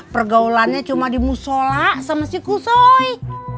pergaulannya cuma di musola sama si kusoy